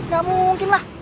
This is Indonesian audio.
gak mungkin lah